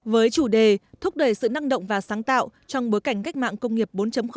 với chủ đề thúc đẩy sự năng động và sáng tạo trong bối cảnh cách mạng công nghiệp bốn